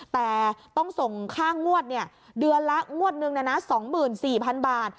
แต่ต้องส่งค่างวดเดือนละงวดนึง๒๔๐๐๐บาท